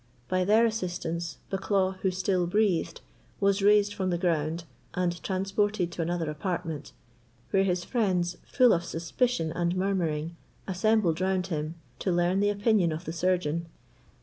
By their assistance, Bucklaw, who still breathed, was raised from the ground, and transported to another apartment, where his friends, full of suspicion and murmuring, assembled round him to learn the opinion of the surgeon.